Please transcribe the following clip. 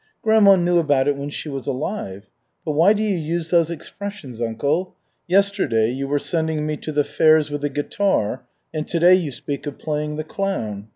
"Grandma knew about it when she was alive. But why do you use those expressions, uncle? Yesterday you were sending me to the fairs with a guitar and today you speak of playing the clown.